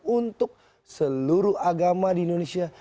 untuk seluruh agama di indonesia